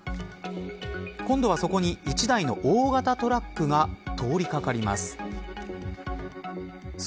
今度はそこに１台の大型トラックが通りかかります。